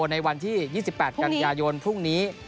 ในวันที่๒๘กันยายนพรุ่งนี้